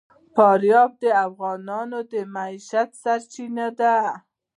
فاریاب د افغانانو د معیشت سرچینه ده.